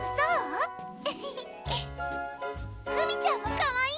海未ちゃんもかわいい！